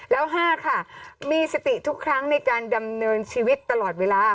แล้ว๕ค่ะมีสติทุกครั้งในการดำเนินชีวิตตลอดเวลา